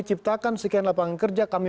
ciptakan sekian lapangan kerja kami